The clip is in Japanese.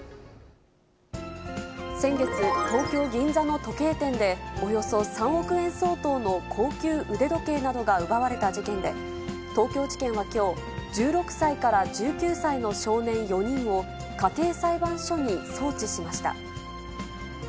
先月、東京・銀座の時計店で、およそ３億円相当の高級腕時計などが奪われた事件で、東京地検はきょう、１６歳から１９歳の少年４人を家庭裁判所に送致しました。